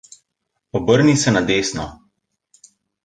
Obrni se na desno.